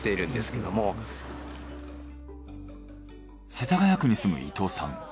世田谷区に住む伊藤さん。